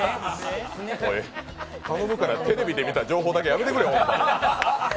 頼むからテレビで見た情報だけはやめてくれよ。